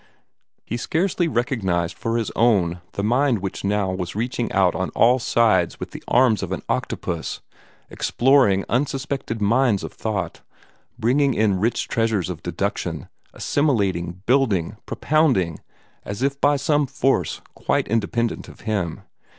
He scarcely recognized for his own the mind which now was reaching out on all sides with the arms of an octopus, exploring unsuspected mines of thought, bringing in rich treasures of deduction, assimilating, building, propounding as if by some force quite independent of him.